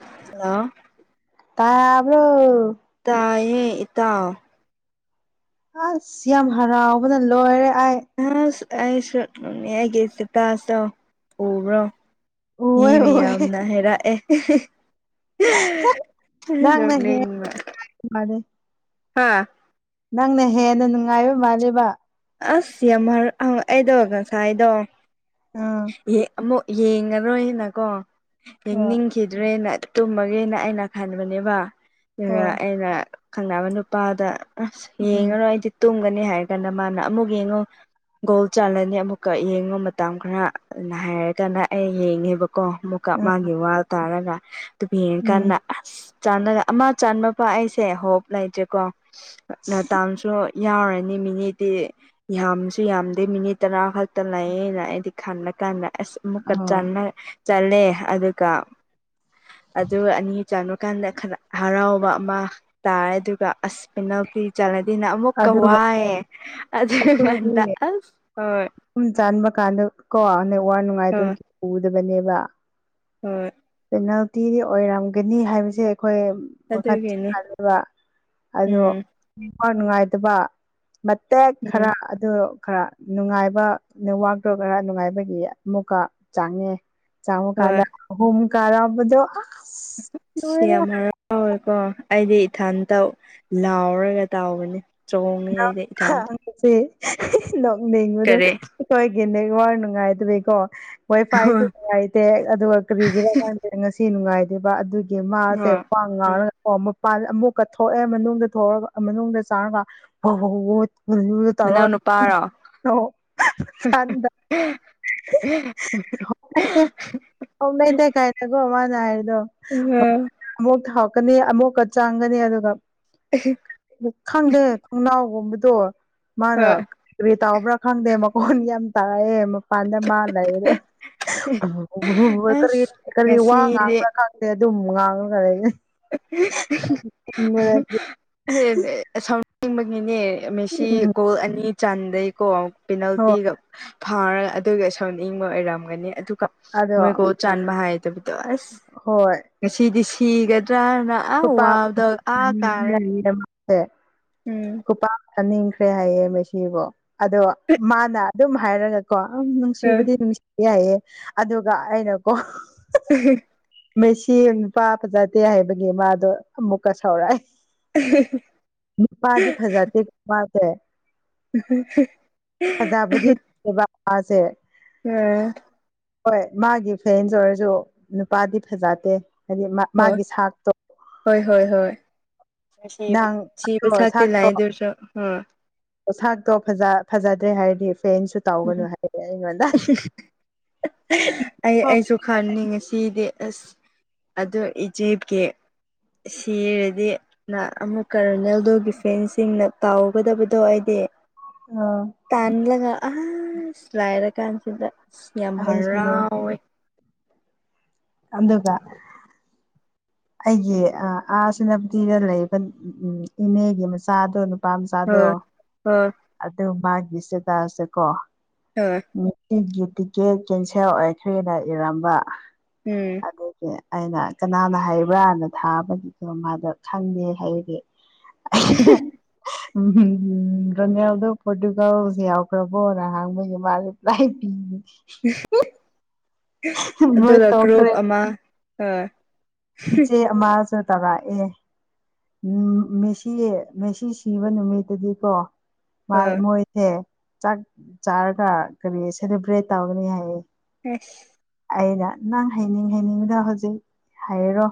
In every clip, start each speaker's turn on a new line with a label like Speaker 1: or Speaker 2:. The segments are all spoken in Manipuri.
Speaker 1: ꯑ
Speaker 2: ꯇꯕ꯭ꯔꯣ
Speaker 1: ꯇꯌꯦꯦ ꯏ ꯇꯥꯎ
Speaker 2: ꯑꯁ ꯌꯥꯝ ꯍꯔꯥꯎꯕꯅ ꯂꯣꯏꯔꯦ ꯑꯩꯥꯏ
Speaker 1: ꯑꯁ ꯑꯩꯁꯨꯅꯦ ꯑꯩꯒꯤꯁꯦ ꯇꯥꯁ ꯇꯧ ꯎꯕ꯭ꯔꯣ ꯍ
Speaker 2: ꯎꯋꯦ
Speaker 1: ꯃꯤ
Speaker 2: ꯎꯋꯦ
Speaker 1: ꯌꯥꯝꯅ ꯍꯥꯏꯔꯛ ꯑꯦ
Speaker 2: [unintelligible]
Speaker 1: ꯍꯥꯥ
Speaker 2: ꯅꯪꯅ ꯍꯦꯟꯅ ꯅꯨꯡꯉꯥꯏꯕ ꯃꯥꯂꯦꯕ
Speaker 1: ꯑꯁ ꯌꯥꯝ ꯑꯩꯗꯣ ꯉꯁꯥꯏꯗꯣ
Speaker 2: ꯑꯥ
Speaker 1: ꯍꯦꯛ ꯑꯃꯨꯛ ꯌꯦꯡꯉꯔꯣꯏꯅꯀꯣ
Speaker 2: ꯍꯣꯏ
Speaker 1: ꯌꯦꯡꯅꯤꯡ ꯈꯤꯗ꯭ꯔꯦꯅ ꯇꯨꯝꯃꯒꯦꯅ ꯑꯩꯅ ꯈꯟꯕꯅꯦꯕ ꯑꯗꯨꯒ
Speaker 2: ꯍꯣꯏ
Speaker 1: ꯑꯩꯅ ꯈꯪꯅꯕ ꯅꯨꯄꯥꯗ ꯑꯁ
Speaker 2: ꯎꯝ
Speaker 1: ꯌꯦꯡꯉꯔꯣ ꯑꯩꯗꯤ ꯇꯨꯝꯒꯅꯤ ꯍꯥꯏꯔ ꯀꯥꯟꯗ ꯃꯥꯅ ꯑꯃꯨꯛ ꯌꯦꯡꯉꯣ ꯒꯣꯜ ꯆꯥꯜꯂꯅꯤ ꯑꯃꯨꯛꯀ ꯌꯦꯡꯉꯨ ꯃꯇꯝ ꯈꯔ ꯑꯗꯨꯅ ꯍꯥꯏꯔꯀꯥꯟꯗ ꯑꯩ ꯌꯦꯡꯉꯦꯕꯀꯣ ꯑꯃꯨ
Speaker 2: ꯑꯥ
Speaker 1: ꯃꯥꯒꯤ ꯋꯥ ꯇꯥꯔꯒ ꯑꯗꯨꯄꯤ ꯌꯦꯡ
Speaker 2: ꯎꯝ
Speaker 1: ꯀꯗ ꯑꯁ ꯆ ꯑꯃ ꯆꯕ ꯄ ꯑꯩꯁꯦ ꯍꯣꯞ ꯂꯩꯇꯦꯀꯣ ꯇꯥꯡꯁꯨ ꯌꯥꯎꯔꯅꯤ ꯃꯤꯅꯤꯠ ꯗꯤ ꯌꯥꯝꯁꯨ ꯌꯥꯝꯗꯦ ꯃꯤꯅꯤꯠ ꯇꯔꯥ ꯈꯛꯇ ꯂꯥꯛꯌꯦꯅ ꯑꯩꯗꯤ ꯈꯟꯂ ꯀꯥꯟꯗ ꯑꯁ ꯑꯃꯨꯛꯀ
Speaker 2: ꯑꯣ
Speaker 1: ꯆꯅ ꯆꯜꯂꯦ ꯑꯗꯨꯒ ꯑꯗꯨꯒ ꯑꯅꯤ ꯆꯟꯕꯀꯥꯟꯗ ꯍꯔꯥꯎꯕ ꯑꯃ ꯇꯥꯔꯦ ꯑꯗꯨꯒ ꯑꯁ ꯄꯤꯅꯥꯜꯇꯤ ꯆꯜꯂꯗꯤꯅ ꯑꯃꯨꯛꯀ
Speaker 2: ꯑꯗꯨꯒ
Speaker 1: ꯋꯥꯏꯑꯦ ꯑꯗꯨ ꯀꯥꯟꯗ ꯑ ꯍꯣꯏ
Speaker 2: ꯁꯨꯝ ꯆꯟꯕ ꯀꯥꯟꯗ ꯀꯣ ꯅꯦꯋꯥꯛ
Speaker 1: ꯍꯣꯏ
Speaker 2: ꯅꯨꯡꯉꯥꯏꯇ꯭ꯔꯗꯤ ꯎꯗꯕꯅꯦꯕ
Speaker 1: ꯍꯣꯏ
Speaker 2: ꯄꯦꯅꯥꯜꯇꯤꯗꯤ ꯑꯣꯏꯔꯝꯒꯅꯤ ꯍꯥꯏꯕꯁꯦ ꯑꯩꯈꯣꯏ ꯋꯥꯈꯟꯗꯁꯨ
Speaker 1: ꯑꯗꯨꯒꯤꯅꯦ
Speaker 2: ꯁꯥꯔꯕ ꯑꯗꯣ
Speaker 1: ꯎꯝ
Speaker 2: ꯅꯦꯠꯋꯥꯛ ꯅꯨꯡꯉꯥꯏꯇꯕ ꯃꯇꯦꯛ
Speaker 1: ꯎꯝ
Speaker 2: ꯈꯔ ꯑꯗꯨ ꯈꯔ ꯅꯨꯡꯉꯥꯏꯕ ꯅꯦꯠꯋꯥꯛꯇꯣ ꯈꯔ ꯅꯨꯡꯉꯥꯏꯕꯒꯤ ꯑꯃꯨꯛꯀ ꯆꯥꯡꯉꯦ ꯆꯪꯕ ꯀꯥꯟꯗ
Speaker 1: ꯍꯣꯏ
Speaker 2: ꯑꯍꯨꯝ ꯀꯥꯔꯝꯕꯗꯣ ꯑꯥ
Speaker 1: ꯁꯤ ꯌꯥꯝ ꯍꯔꯥꯎ [unintelligible] ꯋꯦꯀꯣ ꯑꯩꯗꯤ ꯏꯊꯟꯇ ꯂꯥꯎꯔꯒ ꯇꯥꯎꯕꯅꯦ ꯆꯣꯡꯉꯦ ꯑꯩꯗꯤ ꯏꯊꯟꯇ
Speaker 2: [unintelligible] ꯅꯣꯛꯅꯤꯡꯕꯗꯣ
Speaker 1: ꯀꯔꯤ
Speaker 2: ꯑꯩꯈꯣꯏꯒꯤ ꯅꯦꯠꯋꯥꯛ ꯅꯨꯡꯉꯥꯏꯗꯕꯩꯀꯣ ꯍꯣꯏ ꯐꯥꯏꯁꯨ ꯅꯨꯡꯉꯥꯏꯇꯦ ꯑꯗꯨꯒ ꯀꯔꯤꯒꯤꯔ ꯈꯪꯗꯦ ꯉꯁꯤ ꯅꯨꯡꯉꯥꯏꯇꯦꯕ ꯑꯗꯨꯒꯤ ꯃꯥꯁꯦ
Speaker 1: ꯑꯣ ꯎꯝ
Speaker 2: [unintelligible] ꯑꯣ ꯃꯄꯥꯟ ꯑꯃꯨꯛꯀ ꯊꯣꯛꯑꯦ ꯃꯅꯨꯡꯗ ꯊꯣꯛꯒ ꯃꯅꯨꯡꯗ ꯆꯪꯉꯒ [unintelligible]
Speaker 1: ꯃꯅꯥꯎ ꯅꯨꯄꯥꯔꯣ
Speaker 2: ꯀꯥꯟꯗ ꯂꯩꯇꯦ
Speaker 1: [unintelligible]
Speaker 2: [unintelligible] ꯃꯥꯅ ꯍꯥꯏꯕꯗꯣ
Speaker 1: [unintelligible]
Speaker 2: ꯑꯃꯨꯛ ꯊꯣꯛꯀꯅꯤ ꯑꯃꯨꯛꯀ ꯆꯪꯒꯅꯤ ꯑꯗꯨꯒ
Speaker 1: [unintelligible]
Speaker 2: ꯈꯪꯗꯦ ꯈꯣꯡꯅꯥꯎꯒꯨꯝꯕꯗꯣ ꯃꯥꯅ
Speaker 1: ꯍꯣꯏ
Speaker 2: ꯀꯔꯤ ꯇꯥꯎꯕ꯭ꯔꯥ ꯈꯪꯗꯦ ꯃꯈꯣꯟ ꯌꯥꯝ ꯇꯥꯔꯛꯑꯦ ꯃꯄꯥꯟꯗ ꯃꯥ ꯂꯩꯕꯗꯣ
Speaker 1: ꯑꯁ
Speaker 2: [unintelligible] ꯀꯔꯤ ꯋꯥ
Speaker 1: ꯉꯁꯤꯗꯤ
Speaker 2: ꯉꯥꯡꯕ꯭ꯔꯥ ꯈꯪ ꯑꯗꯨꯝ ꯉꯥꯡꯉꯒ ꯂꯩꯕꯅꯦ
Speaker 1: [unintelligible] ꯁꯥꯎꯅꯤꯡꯕꯒꯤꯅꯦ ꯃꯦꯁꯤ ꯒꯣꯜ ꯑꯅꯤ ꯆꯟꯕꯩꯀꯣ
Speaker 2: ꯍꯣꯏ
Speaker 1: ꯄꯦꯅꯥꯜꯇꯤꯒ ꯐꯥꯔꯒ ꯑꯗꯨꯒ ꯁꯥꯎꯅꯤꯡꯕ ꯑꯣꯏꯔꯝꯒꯅꯤ ꯑꯗꯨꯒ
Speaker 2: ꯑꯗꯣ
Speaker 1: ꯃꯣꯏ ꯒꯣꯜ ꯆꯟꯕ ꯍꯩꯇꯕꯗꯣ ꯑꯁ
Speaker 2: ꯍꯣꯏ
Speaker 1: ꯉꯁꯤꯗꯤ ꯁꯤꯒꯗ꯭ꯔꯥꯅ ꯑ ꯋꯥꯕꯗ ꯑꯥ ꯀꯥꯔꯦ ꯎꯝ
Speaker 2: [unintelligible] ꯊꯥꯅꯤꯡꯈ꯭ꯔꯦ ꯍꯥꯏꯌꯦ ꯃꯦꯁꯤꯁꯤꯕꯨꯣ ꯑꯗꯣ ꯃꯥꯅ ꯑꯗꯨꯝ ꯍꯥꯏꯔꯒ ꯀꯣ ꯑ
Speaker 1: ꯑ
Speaker 2: ꯅꯨꯡꯁꯤꯕꯗꯤ ꯅꯨꯡꯁꯤꯕ ꯌꯥꯏꯌꯦ ꯑꯗꯨꯒ ꯑꯩꯅꯀꯣ
Speaker 1: [unintelligible]
Speaker 2: ꯃꯦꯁꯤ ꯅꯨꯄꯥ ꯐꯖꯗꯦ ꯍꯥꯏꯕꯒꯤ ꯃꯥꯗꯣ ꯑꯃꯨꯛꯀ ꯁꯥꯎꯔꯛꯑꯦ
Speaker 1: [unintelligible]
Speaker 2: ꯅꯨꯄꯥꯗꯤ ꯐꯖꯗꯦ ꯅꯨꯄꯥꯁꯦ
Speaker 1: [unintelligible]
Speaker 2: ꯐꯖꯥꯕꯨꯗꯤ ꯅꯠꯇꯦꯕ ꯃꯥꯁꯦ
Speaker 1: ꯎꯝ
Speaker 2: ꯍꯣꯏ ꯃꯥꯒꯤ ꯐ꯭ꯔꯦꯟꯁ ꯑꯣꯏꯔꯁꯨ ꯅꯨꯄꯥꯗꯤ ꯐꯖꯗꯦ ꯍꯥꯏꯗꯤ
Speaker 1: ꯍꯣꯏ
Speaker 2: ꯃꯥꯒꯤ ꯁꯥꯛꯇꯣ
Speaker 1: ꯍꯣꯏ ꯍꯣꯏ ꯍꯣꯏ
Speaker 2: ꯅꯪ
Speaker 1: ꯅꯨꯡꯁꯤꯕ
Speaker 2: ꯑꯗꯣ
Speaker 1: ꯁꯥꯛꯇꯤ ꯂꯩ
Speaker 2: ꯁꯥꯛꯇꯣ
Speaker 1: ꯑꯗꯨꯑꯣꯏꯔꯁꯨ
Speaker 2: ꯁꯥꯛꯇꯣ ꯐꯖ ꯐꯖꯗ꯭ꯔꯦ ꯍꯥꯏꯔꯗꯤ ꯐꯦꯟꯁꯨ
Speaker 1: ꯎꯝ
Speaker 2: ꯇꯧꯒꯅꯨ ꯍꯥꯏꯌꯦ ꯑꯩꯉꯣꯟꯗ [unintelligible]
Speaker 1: ꯈꯟꯅꯤꯡ ꯉꯁꯤꯗꯤ ꯑꯁ ꯑꯗꯣ ꯏꯖꯤꯞꯀꯤ ꯁꯤꯔꯗꯤ ꯅ ꯑꯃꯨꯛꯀ ꯔꯣꯅꯦꯜꯗꯣꯒꯤ ꯐꯦꯟꯁꯤꯡꯅ ꯇꯥꯎꯒꯗꯕꯗꯣ ꯑꯩꯗꯤ
Speaker 2: ꯑꯥ
Speaker 1: ꯇꯥꯟꯂꯒ ꯑꯁ ꯂꯥꯏꯔ ꯀꯥꯟꯁꯤꯗ ꯁ ꯌꯥꯝ
Speaker 2: ꯑꯩꯁꯨꯅꯦ
Speaker 1: ꯍꯔꯥꯎꯋꯦ
Speaker 2: ꯑꯝꯗꯨꯒ ꯑꯩꯒꯤ ꯑ ꯑꯥ ꯁꯦꯅꯥꯄꯇꯤꯗ ꯂꯩꯕ ꯎꯝ ꯎꯝ ꯏꯅꯦꯒꯤ ꯃꯆꯥꯗꯣ ꯅꯨꯞ ꯄꯥꯝꯆꯥꯥꯗꯣ
Speaker 1: ꯍꯣꯏ ꯍꯣꯏ
Speaker 2: ꯑꯗꯨ ꯃꯥꯒꯤꯁꯦ ꯇꯥꯜꯁꯦꯀꯣ
Speaker 1: ꯑꯥ [unintelligible]
Speaker 2: ꯎꯝ ꯑꯩꯒꯤ ꯇꯤꯛꯀꯦꯠ ꯀꯦꯟꯁꯦꯜ ꯑꯣꯏꯈ꯭ꯔꯦꯅ ꯏꯔꯝꯕ
Speaker 1: ꯎꯝ
Speaker 2: ꯗꯨꯒꯤ ꯑꯩꯅ ꯀꯅꯥꯅ ꯍꯥꯏ ꯔꯥꯅ ꯊꯥꯕꯒꯤꯗꯣ ꯃꯥꯗꯣ ꯈꯪꯉꯦ ꯍꯥꯏꯕꯒꯤ ꯎꯝ ꯍꯨꯝ ꯔꯣꯅꯦꯜꯗꯣ ꯄꯣꯔꯇꯨꯒꯜꯖꯦ ꯌꯥꯎꯈ꯭ꯔꯕꯣ ꯔꯍꯥꯡꯃꯩꯒꯤ ꯃꯥꯜ ꯂꯥꯏ ꯄꯤ [unintelligible] ꯃꯣꯏ
Speaker 1: ꯑꯗꯨꯒ ꯀ꯭ꯔꯨꯞ
Speaker 2: ꯇꯣꯛꯈ꯭ꯔꯦ
Speaker 1: ꯑꯃ ꯑ
Speaker 2: ꯏꯆꯦ ꯑꯃꯁꯨ ꯇꯔꯛꯑꯦ ꯎꯝ ꯃꯦꯁꯤ ꯃꯦꯁꯤ ꯁꯤꯕ ꯅꯨꯃꯤꯠꯇꯗꯤꯀꯣ ꯃ
Speaker 1: ꯑ
Speaker 2: ꯃꯣꯏꯁꯦ ꯆꯥꯛ ꯆꯥꯔꯒ ꯀꯔꯤ ꯁꯦꯂꯦꯕ꯭ꯔꯦꯠ ꯇꯧꯒꯅꯤ ꯍꯥꯏꯌꯦ
Speaker 1: ꯏꯁ
Speaker 2: ꯑꯩꯅ ꯅꯪ ꯍꯩꯅꯤꯡ ꯍꯩꯅꯤꯡꯗꯣ ꯍꯧꯖꯤꯛ ꯍꯥꯏꯔꯔꯣ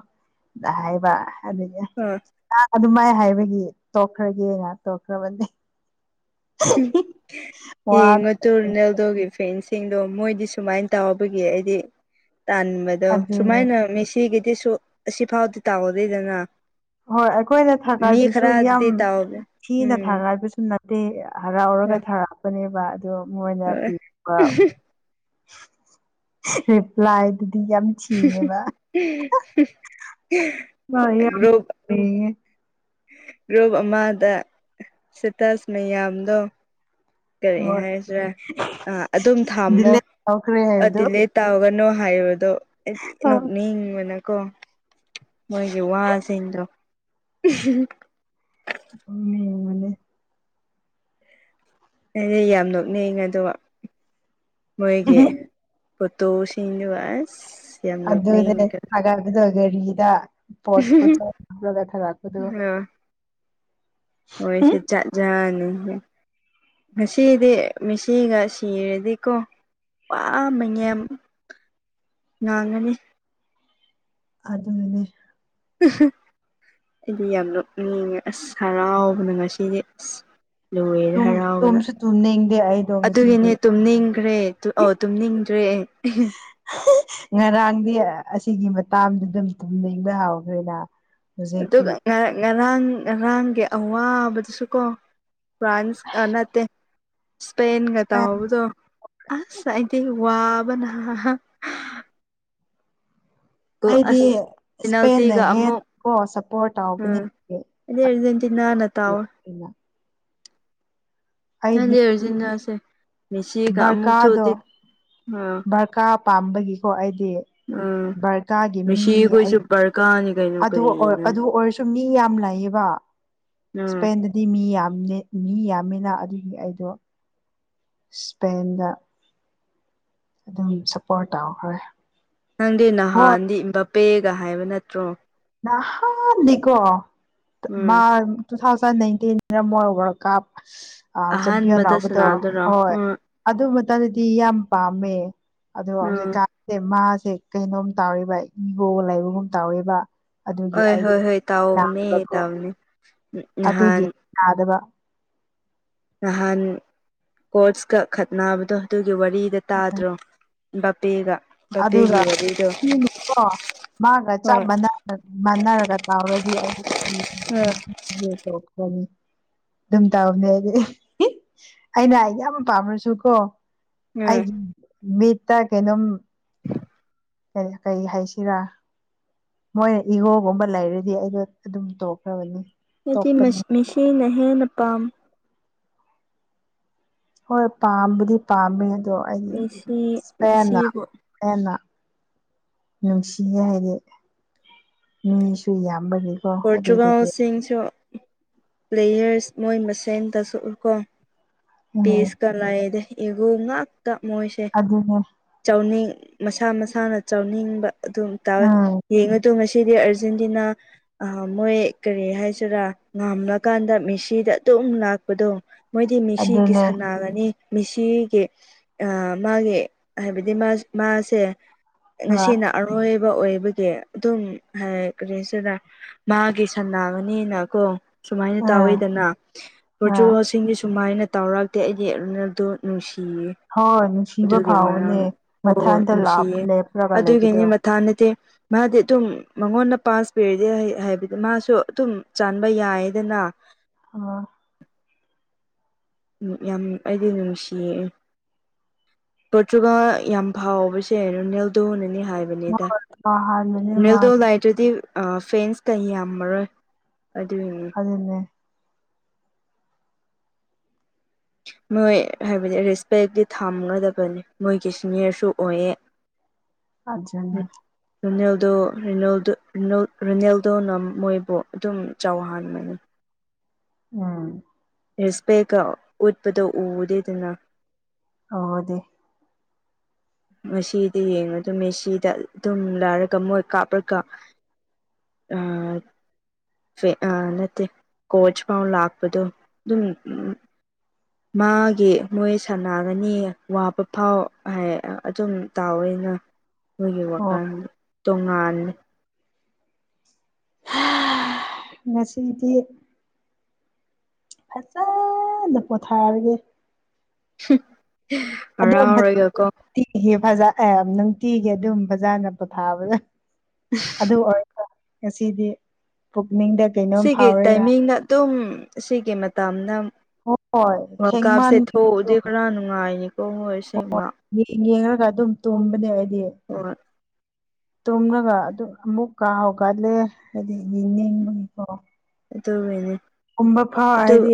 Speaker 2: ꯍꯥꯏꯕ ꯑꯗꯨꯒꯤ
Speaker 1: ꯑꯥ
Speaker 2: ꯑ ꯑꯗꯨꯃꯥꯏ ꯍꯥꯏꯕꯒꯤ ꯇꯣꯛꯈ꯭ꯔꯒꯦ ꯉ ꯇꯣꯛꯈ꯭ꯔꯕꯅꯦ ꯋꯥ
Speaker 1: ꯌꯦꯉꯣ ꯇꯨ ꯔꯨꯅꯦꯜꯗꯣꯒꯤ ꯐꯦꯟꯁꯤꯡꯗꯣ ꯃꯣꯏꯗꯤ ꯁꯨꯃꯥꯏꯅ ꯇꯥꯎꯕꯒꯤ ꯑꯩꯗꯤ ꯇꯥꯟꯕ ꯗꯣ
Speaker 2: ꯑꯗꯨꯅꯦ
Speaker 1: ꯁꯨꯃꯥꯏꯅ ꯃꯦꯁꯤꯒꯤꯗꯤꯁꯨ ꯑꯁꯤꯐꯥꯎꯗꯤ ꯇꯥꯎꯗꯦꯗꯅ
Speaker 2: ꯍꯣꯏ ꯑꯩꯈꯣꯏꯅ
Speaker 1: ꯃꯤ
Speaker 2: ꯊꯥꯒꯥꯏꯕꯁꯨ ꯌꯥꯝ
Speaker 1: ꯈꯔꯗꯤ ꯇꯥꯎꯕ
Speaker 2: ꯊꯤꯅ
Speaker 1: ꯎꯝ
Speaker 2: ꯊꯥꯒꯥꯏꯕꯁꯨ ꯅꯠ ꯗꯤ ꯍꯔꯥꯎꯔꯒ
Speaker 1: ꯍꯣꯏ
Speaker 2: ꯊꯥꯔꯛꯄꯅꯦꯕ ꯑꯗꯨ ꯃꯣꯏꯅ
Speaker 1: ꯍꯣꯏ
Speaker 2: ꯄꯤꯔꯛꯄ ꯂꯥꯏꯗꯨꯗꯤ ꯌꯥꯝ ꯁꯤꯌꯦꯕ ꯑꯍ ꯃꯥ ꯌꯥꯝ
Speaker 1: ꯒ꯭ꯔꯨꯞ
Speaker 2: ꯐꯩꯌꯦ
Speaker 1: ꯒ꯭ꯔꯨꯞ ꯑꯃꯗ ꯁꯦꯇꯁ ꯃꯌꯥꯝꯗꯣ ꯀꯔꯤ
Speaker 2: ꯍꯣꯏ
Speaker 1: ꯍꯥꯏꯁꯤꯔꯥ ꯑ ꯑꯗꯨꯝ ꯊꯝꯃꯣ
Speaker 2: ꯗꯤꯂꯦꯠ ꯇꯧꯈ꯭ꯔꯦ
Speaker 1: ꯑ
Speaker 2: ꯍꯥꯏꯕꯗꯣ
Speaker 1: ꯗꯤꯂꯦꯠ ꯇꯧꯒꯅꯣ ꯍꯥꯏꯕꯗꯣ ꯑꯩꯗꯤ ꯅꯣꯛꯅꯤꯡꯕꯅꯀꯣ ꯃꯣꯏꯒꯤ ꯋꯥꯁꯤꯡꯗꯣ ꯎꯝꯍꯨ
Speaker 2: ꯎꯝ
Speaker 1: ꯑꯩꯗꯤ ꯌꯥꯝ ꯅꯣꯛꯅꯤꯡꯉꯦ ꯑꯗꯨꯒ ꯃꯣꯏꯒꯤ ꯐꯣꯇꯣꯁꯤꯡꯗꯨꯒ ꯑꯁ ꯌꯥꯝ
Speaker 2: ꯑꯗꯨꯅꯦ
Speaker 1: ꯅꯣꯛꯅꯤꯡꯒ
Speaker 2: ꯊꯥꯒꯜ ꯑꯗꯣ ꯒꯥꯔꯤꯗ ꯄꯣꯠ ꯄꯨꯊ ꯍꯥꯞꯂꯒ ꯊꯥꯔꯛꯄꯗꯣ
Speaker 1: ꯑꯣꯏꯔꯦꯁꯦ ꯆꯠ ꯖꯥꯅꯨ ꯉꯁꯤꯗꯤ ꯃꯤꯁꯤꯒ ꯁꯤꯔꯗꯤꯀꯣ ꯋꯥ ꯃꯦꯉꯦꯝ ꯉꯥꯡꯉꯅꯤ
Speaker 2: ꯑꯗꯨꯅꯅꯦ
Speaker 1: ꯑꯩꯗꯤ ꯌꯥꯝ ꯅꯣꯛꯅꯤꯡꯉꯦ ꯑꯁ ꯍꯔꯥꯎꯕꯅ ꯉꯁꯤꯗꯤ ꯑꯁ ꯂꯣꯏꯔꯦ ꯍꯔꯥꯎꯕꯅ
Speaker 2: ꯢꯡꯗꯦ ꯑꯩꯗꯣ
Speaker 1: ꯑꯗꯨꯒꯤꯅꯦ
Speaker 2: ꯉꯁꯤꯗꯤ
Speaker 1: ꯇꯨꯝꯅꯤꯡꯈ꯭ꯔꯦ ꯇꯨ ꯑꯣ ꯇꯨꯝꯅꯤꯡꯗ꯭ꯔꯦ
Speaker 2: ꯉꯔꯥꯡꯗꯤ ꯑꯁꯤꯒꯤ ꯃꯇꯥꯝꯗꯨꯗ ꯗꯨꯝ ꯇꯨꯝꯅꯤꯡꯕ ꯍꯥꯎꯈ꯭ꯔꯦꯅ
Speaker 1: ꯑꯗꯨꯒ ꯉ ꯉꯔꯥꯡ ꯉꯔꯥꯡꯒꯤ ꯑꯋꯥꯕꯗꯨꯁꯨ ꯀꯣ ꯐ꯭ꯔꯥꯟꯁ ꯑ ꯅꯠꯇꯦ ꯏꯁꯄꯦꯟ ꯒ
Speaker 2: ꯏꯁꯄꯦꯟ
Speaker 1: ꯇꯧꯕꯗꯣ ꯑꯁ ꯑꯩꯗꯤ ꯋꯥꯕꯅ ꯇꯨ
Speaker 2: ꯑꯩꯗꯤ
Speaker 1: ꯑꯁ
Speaker 2: ꯏꯁꯄꯦꯟꯅ
Speaker 1: ꯄꯤꯅꯥꯜꯇꯤꯒ
Speaker 2: ꯍꯦꯟ
Speaker 1: ꯑꯃꯨꯛ
Speaker 2: ꯀꯣ ꯁꯞꯄꯣꯔꯠ ꯇꯧꯕꯅꯦ
Speaker 1: ꯎꯝ ꯑꯗ ꯑꯔꯖꯦꯟꯇꯤꯅꯥ ꯅꯅ ꯇꯥꯎ
Speaker 2: ꯏꯅ
Speaker 1: ꯅꯥꯟꯗꯤ ꯑꯔꯖꯤꯅꯥꯁꯦ ꯃꯦꯁꯤꯒ ꯑꯃꯨꯛ ꯊꯣꯛꯑꯗꯦ ꯑꯥ
Speaker 2: ꯀꯥ ꯄꯥꯝꯕꯒꯤꯀꯣ ꯑꯩꯗꯤ
Speaker 1: ꯎꯝ
Speaker 2: ꯕꯔꯀꯥꯒꯤ ꯃꯤ ꯑꯩ
Speaker 1: ꯃꯦꯁꯤꯈꯣꯏꯁꯨ ꯕꯔꯀꯥꯔꯅꯤ ꯀꯩꯅꯣ
Speaker 2: ꯑꯗꯨ
Speaker 1: ꯀꯔꯤꯅꯣ
Speaker 2: ꯑꯗꯨ ꯑꯣꯏꯔꯁꯨ ꯁꯨꯝ ꯃꯤ ꯌꯥꯝ ꯂꯩꯌꯦꯕ
Speaker 1: ꯎꯝ
Speaker 2: ꯑꯗꯨꯗꯤ ꯃꯤ ꯌꯥꯝ ꯃꯤ ꯌꯥꯝꯃꯤꯅ ꯑꯗꯨꯒꯤ ꯑꯩꯗꯣ ꯁꯄꯦꯟꯗ ꯑꯗꯨꯝ ꯁꯞꯄꯣꯔꯠ ꯇꯧꯈ꯭ꯔꯦ
Speaker 1: ꯅꯪꯒꯤ
Speaker 2: ꯍꯣꯏ
Speaker 1: ꯅꯍꯥꯟꯗꯤ ꯄꯦꯒ ꯍꯥꯏꯕ ꯅꯠꯇ꯭ꯔꯣ
Speaker 2: ꯅꯍꯥꯟꯗꯤꯀꯣ
Speaker 1: ꯎꯝ
Speaker 2: ꯃꯥ ꯇꯨ ꯊꯥꯎꯖꯟ ꯅꯥꯏꯟꯇꯤꯟꯅ ꯃꯣꯏ ꯋꯥꯔꯜ ꯀꯞ ꯆꯦꯝꯄꯤꯌꯟ
Speaker 1: ꯑꯍꯥꯟꯕꯗ
Speaker 2: ꯂꯕꯗꯣ
Speaker 1: ꯁꯅꯥꯗꯨꯔꯣ
Speaker 2: ꯍꯣꯏ
Speaker 1: ꯎꯝ
Speaker 2: ꯑꯗꯨ ꯃꯇꯝꯗꯗꯤ ꯌꯥꯝ ꯄꯥꯝꯃꯦ ꯑꯗꯣ
Speaker 1: ꯎꯝ
Speaker 2: ꯍꯧꯖꯤꯛꯀꯥꯟ ꯃꯥꯁꯦ ꯀꯩꯅꯣꯝ ꯇꯧꯔꯤꯕ ꯏꯒꯣꯒ ꯂꯩꯕꯒꯨꯝ ꯇꯧꯔꯤꯕ ꯑꯗꯨꯒꯤ
Speaker 1: ꯍꯣꯏ ꯍꯣꯏ
Speaker 2: ꯑꯩꯗꯣꯣ
Speaker 1: ꯍꯣꯏ ꯇꯥꯎꯕꯅꯦ ꯇꯥꯎꯕꯅꯦ ꯅꯍꯥꯟ
Speaker 2: ꯑꯗꯨꯒꯤ ꯅꯥꯗꯕ
Speaker 1: ꯅꯍꯥꯟ ꯀꯣꯔꯁꯀꯛꯈꯠꯅꯕꯗꯣ ꯑꯗꯨꯒꯤ ꯋꯥꯔꯤꯗ ꯇꯥꯗ꯭ꯔꯣ ꯕꯄꯦꯒ
Speaker 2: ꯑꯗꯨꯒꯅꯀꯣ ꯃꯥꯒ ꯆꯞ
Speaker 1: ꯍꯣꯏ
Speaker 2: ꯃꯥꯟꯅ ꯃꯥꯟꯅꯔꯒ ꯀꯥꯎꯔꯗꯤ ꯑꯩꯅꯤ
Speaker 1: ꯎꯝ
Speaker 2: ꯑꯗꯨꯝ ꯇꯧꯔꯅꯦ ꯑꯩ ꯑꯩꯅ ꯑꯩ ꯌꯥꯝ ꯄꯥꯝꯃꯁꯨꯀꯣ
Speaker 1: ꯎꯝ
Speaker 2: ꯑꯩꯒꯤ ꯃꯤꯠꯇ ꯀꯩꯅꯣꯝ ꯀ ꯀꯔꯤ ꯍꯥꯏꯁꯤꯔꯥ ꯃꯣꯏꯅ ꯏꯍꯣꯒꯨꯝꯕ ꯂꯩꯔꯗꯤ ꯑꯩꯗꯣ ꯑꯗꯨꯝ ꯇꯣꯛꯈ꯭ꯔꯕꯅꯤ
Speaker 1: ꯑꯩꯗꯤ
Speaker 2: ꯇꯣꯛꯄꯅꯦ
Speaker 1: ꯃꯤꯁꯤꯅ ꯍꯦꯟꯅ ꯄꯥꯝ
Speaker 2: ꯍꯣꯏ ꯄꯥꯝꯕꯗꯤ ꯄꯥꯝꯃꯦ ꯑꯗꯣ ꯑꯩꯗꯤ
Speaker 1: ꯃꯤꯁꯤ
Speaker 2: ꯏꯁꯄꯦꯟꯅ
Speaker 1: ꯃꯤꯁꯤꯕꯨ
Speaker 2: ꯍꯦꯟꯅ ꯅꯨꯡꯁꯤꯌꯦ ꯍꯥꯏꯗꯤ ꯃꯤꯁꯨ ꯌꯥꯝꯕꯅꯤ
Speaker 1: ꯄꯣꯔꯇꯨꯒꯥꯜꯁꯤꯡꯁꯨ ꯄ꯭ꯂꯦꯌꯔꯁ ꯃꯣꯏ ꯃꯁꯦꯟꯗꯁꯨꯛ ꯀꯣ
Speaker 2: ꯎꯝ
Speaker 1: ꯄꯤꯁ ꯀꯂꯥꯏꯗ ꯏꯒꯨ ꯉꯥꯛꯇ ꯃꯣꯏꯁꯦ
Speaker 2: ꯑꯗꯨꯅꯦ
Speaker 1: ꯆꯥꯎꯅꯤꯡ ꯃꯁꯥ ꯃꯁꯥꯅ ꯆꯥꯎꯅꯤꯡꯕ ꯑꯗꯨꯝ ꯇꯥꯎꯋꯦ
Speaker 2: ꯎꯝ
Speaker 1: ꯌꯦꯡꯉꯗꯣ ꯉꯁꯤꯗꯤ ꯑꯥꯔꯖꯦꯟꯇꯤꯅꯥ ꯑ ꯃꯣꯏ ꯀꯔꯤ ꯍꯥꯏꯁꯤꯔꯥ ꯉꯥꯝꯂꯀꯥꯟꯗ ꯃꯦꯁꯤꯗ ꯑꯗꯨꯝ ꯂꯥꯛꯄꯗꯣ ꯃꯣꯏꯗꯤ ꯃꯤꯁꯤꯒꯤ
Speaker 2: ꯑꯗꯨꯅꯦ
Speaker 1: ꯁꯟꯅꯥꯔꯅꯤ ꯃꯤꯁꯤꯒꯤ ꯑ ꯃꯥꯒꯤ ꯍꯥꯏꯕꯗꯤ ꯃꯥ ꯃꯥꯁꯦ
Speaker 2: ꯍꯣꯏ
Speaker 1: ꯉꯁꯤꯅ ꯑꯔꯣꯏꯕ ꯑꯣꯏꯕꯒꯤ ꯑꯗꯨꯝ ꯍꯥꯏ ꯀꯔꯤꯁꯨꯔꯥ ꯃꯥꯒꯤ ꯁꯟꯅꯥꯕꯅꯤꯅ ꯀꯣ ꯁꯨꯃꯥꯏꯅ
Speaker 2: ꯎꯝ
Speaker 1: ꯇꯧꯋꯏꯗꯅ
Speaker 2: ꯎꯝ
Speaker 1: ꯚꯔꯆꯨꯋꯦꯜꯁꯤꯡꯁ ꯁꯨꯃꯥꯏꯅ ꯇꯧꯔꯛꯇꯦ ꯑꯩꯗꯤꯔꯨꯅꯗꯣ ꯅꯨꯡꯁꯤꯌꯦ
Speaker 2: ꯍꯣꯏ ꯅꯨꯡꯁꯤꯕ
Speaker 1: ꯑꯗꯨꯒꯤ ꯃꯔꯝ
Speaker 2: ꯐꯥꯎꯕꯅꯦ
Speaker 1: ꯍꯣꯏ
Speaker 2: ꯃꯊꯟꯇ
Speaker 1: ꯅꯨꯡꯁꯤꯌꯦ
Speaker 2: ꯂꯦꯞꯄ꯭ꯔꯒ
Speaker 1: ꯑꯗꯨꯒꯤꯅꯤ
Speaker 2: ꯂꯩꯕꯗꯣ
Speaker 1: ꯃꯊꯥ ꯅꯠꯇꯦ ꯃꯥꯗꯤ ꯑꯗꯨꯝ ꯃꯉꯣꯟꯗ ꯄꯥꯁ ꯄꯤꯔꯗꯤ ꯍꯥꯏꯕꯗꯤ ꯃꯥꯁꯨ ꯑꯗꯨꯝ ꯆꯥꯟꯕ ꯌꯥꯏꯗꯅ
Speaker 2: ꯑ
Speaker 1: ꯎ ꯌꯥꯝ ꯑꯩꯗꯤ ꯅꯨꯡꯁꯤꯌꯦ ꯄꯣꯔꯆꯨꯒ ꯌꯥꯝ ꯐꯥꯎꯕꯁꯦꯩꯅ ꯅꯦꯜꯗꯣꯅꯅꯤ ꯍꯥꯏꯕ ꯅꯤꯗ
Speaker 2: ꯍꯣꯏ ꯍꯥꯟꯕꯅꯦ ꯃꯥ
Speaker 1: ꯅꯤꯜꯗꯣ ꯅꯥꯏꯠ ꯑꯗꯨꯗꯤ ꯐꯦꯟꯁ ꯀꯩ ꯌꯥꯝꯃꯔꯣꯏ ꯑꯗꯨꯏꯅꯤ
Speaker 2: ꯑꯗꯨꯗꯟꯅꯦ
Speaker 1: ꯃꯣꯏ ꯍꯥꯏꯕꯗꯤ ꯔꯦꯁꯄꯦꯛꯇꯤ ꯊꯝꯒꯗꯕꯅꯤ ꯃꯣꯏꯒꯤ ꯁꯤꯅꯤꯌꯔꯁꯨ ꯑꯣꯏꯌꯦ
Speaker 2: ꯑꯖꯅꯦ
Speaker 1: ꯔꯤꯅꯦꯜꯗꯣ ꯔꯤꯅ‌ꯦꯜꯗꯣ ꯔꯤꯅꯦꯜꯗꯣꯅ ꯃꯣꯏꯕꯨ ꯑꯗꯨꯝ ꯆꯥꯎꯍꯥꯟꯕꯅꯦ
Speaker 2: ꯎꯝ
Speaker 1: ꯔꯦꯁꯄꯦꯛꯀ ꯎꯠꯄꯗꯣ ꯎꯗꯦꯗꯅ
Speaker 2: ꯑꯣꯗꯦ
Speaker 1: ꯉꯁꯤꯗꯤ ꯌꯦꯡꯉ ꯑꯗꯨ ꯃꯁꯤꯗ ꯑꯗꯨꯝ ꯂꯥꯏꯔꯒ ꯃꯣꯏ ꯀꯥꯞꯔꯒ ꯑ ꯑ ꯅꯠꯇꯦ ꯀꯣꯆ ꯐꯥꯎ ꯂꯥꯛꯄꯗꯣ ꯑꯗꯨꯝ ꯎ ꯃꯥꯒꯤ ꯃꯣꯏ ꯁꯅꯒꯅꯤ ꯋꯥꯕ ꯐꯥꯎ ꯍꯥꯏ ꯑꯗꯨꯝ ꯇꯥꯎꯑꯣꯦꯅ
Speaker 2: ꯎ
Speaker 1: ꯃꯣꯏꯒꯤ ꯋꯥꯈꯜ ꯇꯣꯉꯥꯟꯅꯤ
Speaker 2: ꯍꯥ.. ꯉꯁꯤꯗꯤ ꯐꯖꯅ ꯄꯣꯊꯥꯔꯒꯦ
Speaker 1: [unintelligible]
Speaker 2: ꯑꯗꯨꯝ ꯐꯖꯅꯨꯡꯤꯖ ꯅꯨꯡꯇꯤꯒꯤ ꯑꯗꯨꯝ ꯕꯖꯥꯔꯗ ꯄꯣꯊꯥꯕꯗ ꯑꯗꯨ ꯑꯣꯏꯔ ꯉꯁꯤꯗꯤ ꯄꯨꯛꯅꯤꯡꯗ ꯀꯩꯅꯣꯝ
Speaker 1: ꯁꯤꯒꯤ
Speaker 2: ꯐꯥꯎꯔꯦꯅ
Speaker 1: ꯇꯥꯏꯃꯤꯡꯅ ꯑꯗꯨꯝ ꯁꯤꯒꯤ ꯃꯇꯥꯅ
Speaker 2: ꯍꯣꯏ
Speaker 1: ꯋꯥꯜ ꯀꯥꯞꯁꯦ
Speaker 2: ꯊꯦꯡꯃꯟꯕꯒꯤ
Speaker 1: ꯊꯣꯛꯎꯗꯤ
Speaker 2: ꯑꯗꯨꯝ
Speaker 1: ꯈꯔ ꯅꯨꯡꯉꯥꯏꯅꯤꯀꯣ ꯃꯣꯏ ꯁꯦꯡꯕ
Speaker 2: ꯌꯦꯡꯉꯒ ꯑꯗꯨꯝ ꯇꯨꯝꯕꯅꯦ ꯑꯩꯗꯤ
Speaker 1: ꯑꯣꯏ
Speaker 2: ꯇꯨꯝꯂꯒ ꯑꯗꯨ ꯑꯃꯨꯛ ꯍꯧꯒꯠꯂꯦ ꯍꯥꯏꯗꯤ ꯌꯦꯡꯅꯤꯡꯕꯒꯤꯀꯣ
Speaker 1: ꯇꯣ ꯃꯅꯤ
Speaker 2: ꯑꯝꯃ ꯐꯥꯎ ꯍꯥꯏꯗꯤ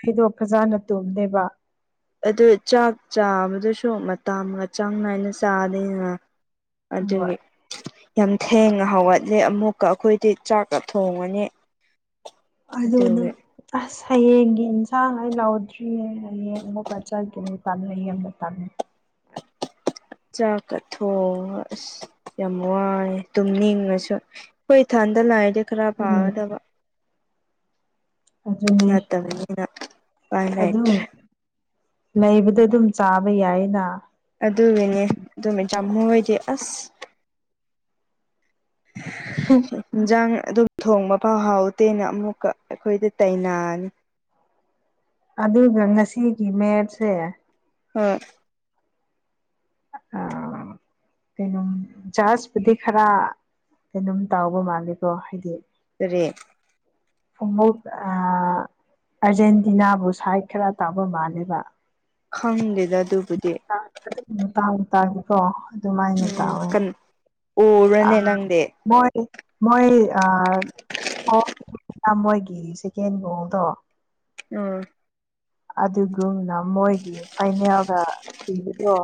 Speaker 2: ꯑꯩꯗꯣ ꯐꯖꯅ ꯇꯨꯝꯗꯦꯕ
Speaker 1: ꯑꯗꯨ ꯆꯥꯛ ꯆꯥꯕꯗꯨꯁꯨ ꯃꯇꯥꯒ ꯆꯥꯡ ꯅꯥꯏꯅ ꯆꯥꯗꯅ
Speaker 2: ꯍꯣꯏ
Speaker 1: ꯑꯗꯨꯒꯤ ꯌꯥꯝ ꯊꯦꯡꯅ ꯍꯧꯒꯠꯂꯦ ꯑꯃꯨꯛꯀ ꯑꯩꯈꯣꯏꯗꯤ ꯆꯥꯛꯀ ꯊꯣꯡꯉꯅꯤ
Speaker 2: ꯑꯗꯨꯅꯦ
Speaker 1: ꯑꯗꯨꯒꯤ
Speaker 2: ꯑꯁ ꯍꯌꯦꯡꯒꯤ ꯏꯟꯁꯥꯡ ꯍ ꯂꯥꯎꯗ꯭ꯔꯤꯌꯦ ꯍꯌꯦꯡ ꯑꯃꯨꯄꯥ ꯆꯒꯅ ꯄꯥꯝꯅꯩ ꯌꯥꯝꯅ ꯄꯥꯝꯃꯦ
Speaker 1: ꯆꯥꯀꯊꯣꯡꯉ ꯑꯁ ꯌꯥꯝ ꯋꯥꯏꯑꯦ ꯇꯨꯝ ꯅꯤꯡꯉꯁꯨ ꯑꯩ ꯏꯊꯟꯗ ꯂꯥꯏꯑꯗꯤ ꯈꯔ
Speaker 2: ꯎꯝ
Speaker 1: ꯄꯥꯒꯗꯕ
Speaker 2: ꯑꯗꯨꯅꯦ
Speaker 1: ꯌꯥ ꯇꯕ ꯌꯦꯅ
Speaker 2: ꯑꯗꯨꯝ ꯂꯩꯕꯗ ꯑꯗꯨꯝ ꯆꯥꯕ ꯌꯥꯏꯅ
Speaker 1: ꯑꯗꯨꯒꯤꯅꯦ ꯑꯗꯨꯃ ꯆꯃꯣꯏꯗꯤ ꯑꯁ
Speaker 2: ꯍꯝ
Speaker 1: ꯌꯦꯟꯁꯥꯡ ꯑꯗꯨꯝ ꯊꯣꯡꯕ ꯐꯥꯎ ꯍꯥꯎꯇꯦꯅ ꯑꯃꯨꯛꯀ ꯑꯩꯈꯣꯏꯗ ꯇꯩꯅꯅꯨ
Speaker 2: ꯑꯗꯨꯒ ꯉꯁꯤꯒꯤ ꯃꯦꯠꯁꯦ
Speaker 1: [inaudible]
Speaker 2: ꯑ ꯀꯩꯅꯣꯝ ꯖꯥꯔꯖꯄꯨꯗꯤ ꯈꯔ ꯀꯩꯅꯣꯝ ꯇꯥꯎꯕ ꯃꯥꯜꯂꯤꯀꯣ ꯍꯥꯏꯗꯤ
Speaker 1: ꯀꯔꯤ
Speaker 2: ꯐꯣꯡꯎꯣꯛ ꯑꯥꯔꯖꯦꯟꯇꯤꯅꯥꯕꯨ ꯁꯥꯏꯠ ꯈꯔ ꯇꯥꯕ ꯃꯥꯜꯂꯦꯕ
Speaker 1: ꯈꯪꯗꯦꯗ ꯑꯗꯨꯕꯨꯗꯤ
Speaker 2: ꯑꯗꯨꯕ ꯇꯥꯡ ꯇꯥꯈꯤꯀꯣ ꯑꯗꯨꯃꯥꯏꯅ ꯇꯧꯋꯦ
Speaker 1: ꯑꯣꯔꯅꯦ
Speaker 2: ꯑꯥ
Speaker 1: ꯅꯪꯗꯤ
Speaker 2: ꯃꯣꯏ ꯃꯣꯏ ꯑ ꯑꯣ ꯃꯣꯏꯒꯤ ꯁꯦꯀꯦꯟ ꯒꯣꯜꯗꯣ
Speaker 1: ꯎ
Speaker 2: ꯑꯗꯨꯒꯨꯝꯅ ꯃꯣꯏꯒꯤ ꯐꯥꯏꯅꯦꯜꯒ ꯄꯤꯕ꯭ꯔꯣ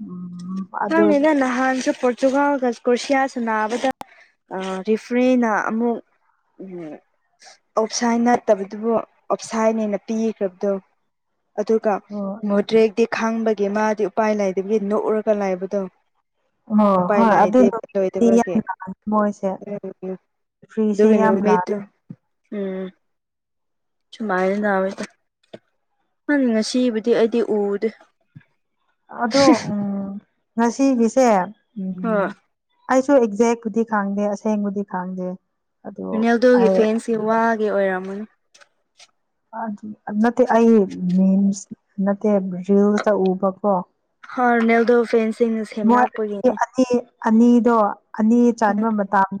Speaker 2: ꯎꯝ
Speaker 1: ꯅꯪꯅꯦ ꯅꯍꯥꯟꯁꯨ ꯆꯖꯨꯒ ꯀꯣꯁꯤꯌꯥ ꯁ ꯅꯥꯕꯗ ꯔꯤꯐ꯭ꯔꯔꯤꯅ ꯑꯃꯨꯛ ꯎꯝ ꯑꯞꯁꯥꯏ ꯅꯠꯇꯕꯗꯨꯕꯨ ꯑꯞꯁꯥꯏꯠꯅ ꯄꯤꯈ꯭ꯔꯕꯗꯨꯣ ꯑꯗꯨꯒ
Speaker 2: ꯑꯣ
Speaker 1: ꯃꯨꯗ꯭ꯔꯦꯗꯤ ꯈꯥꯡꯕꯒꯤ ꯃꯥꯗꯤ ꯎꯄꯥꯏ ꯂꯩꯥꯏꯗꯕꯒꯤ ꯅꯣꯛꯎꯔꯒ ꯂꯥꯏꯕꯗꯣ
Speaker 2: ꯍꯣꯏ
Speaker 1: ꯎꯄꯥꯏ
Speaker 2: ꯍꯣꯏ ꯑꯗꯨ
Speaker 1: ꯂꯥꯏꯗꯤ
Speaker 2: ꯅꯨꯃꯤꯠꯇꯗꯤ ꯌꯥꯝ
Speaker 1: ꯂꯣꯏꯗꯕꯒꯤ
Speaker 2: ꯂꯥꯛꯑꯅꯤ ꯃꯣꯏꯁꯦ
Speaker 1: ꯎꯝ
Speaker 2: ꯐ꯭ꯔꯤꯁꯦ
Speaker 1: ꯎꯝ ꯍꯅꯤ
Speaker 2: ꯌꯥꯝ ꯂꯥꯛ
Speaker 1: ꯃꯠꯇ ꯎꯝ [unintelligible] ꯅꯪ ꯉꯁꯤꯕꯨꯗꯤ ꯑꯩꯗꯤ ꯎꯗꯦ
Speaker 2: ꯑꯗꯣ ꯎꯝ ꯉꯁꯤꯒꯤꯁꯦ ꯎ
Speaker 1: ꯍꯣꯏ
Speaker 2: ꯑꯩꯁꯨ ꯑꯦꯛꯖꯦꯛꯄꯨꯗꯤ ꯈꯥꯡꯗꯦ ꯑꯁꯦꯡꯕꯨꯗꯤ ꯈꯥꯡꯗꯦ
Speaker 1: ꯔꯤꯅꯦꯜꯗꯣꯒꯤ ꯐꯦꯟꯁꯁꯤ ꯋꯥꯒꯤ ꯑꯣꯏꯔꯝꯃꯅ
Speaker 2: ꯅꯠꯇꯦ ꯑꯩ ꯃꯤꯝꯁ ꯅꯠꯇꯦ ꯔꯤꯜꯁꯇ ꯎꯕꯀꯣ
Speaker 1: ꯍꯥꯅꯦꯜꯗꯣ ꯐꯦꯟꯁꯤꯡꯅ
Speaker 2: ꯃꯣꯏ
Speaker 1: ꯁꯦꯝꯅ ꯂꯥꯛꯄꯒꯤꯅꯦ
Speaker 2: ꯑꯅꯤ ꯑꯅꯤꯗꯣ ꯑꯅꯤ ꯆꯕ ꯃꯇꯗꯣ